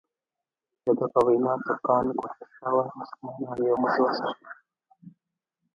دده په وینا ترکانو کوښښ کاوه مسلمانان یو موټی وساتي.